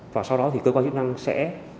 và sau đó thì cơ quan chức năng sẽ